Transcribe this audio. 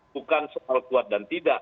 bukan soal kuat dan tidak